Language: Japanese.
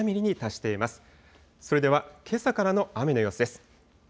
それではけさからの雨の様子です。